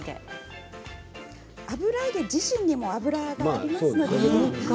油揚げ自身にも油がありますからね。